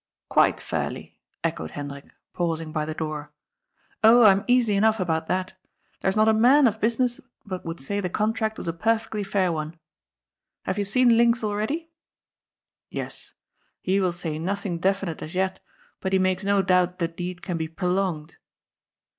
''" Quite fairly," echoed Hendrik, pausing by the door. ^' Oh, I am easy enough about that There's not a man of business but would say the contract was a perfectly fair one. Have you seen Linx already ?" "Yes. He will say nothing definite as yet, but he makes no doubt the deed can be prolonged."